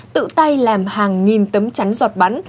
tự tay làm hàng nghìn tấm chắn giọt bắn